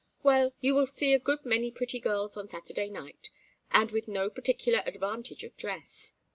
Well, you will see a good many pretty girls on Saturday night, and with no particular advantage of dress.